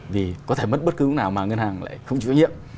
vì có thể mất bất cứ thứ nào mà ngân hàng lại không chủ nhiệm